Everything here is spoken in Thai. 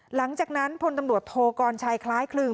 หลังจากนั้นพลตำรวจโทกรชัยคล้ายคลึง